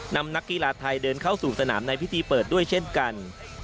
นักกีฬาไทยเดินเข้าสู่สนามในพิธีเปิดด้วยเช่นกัน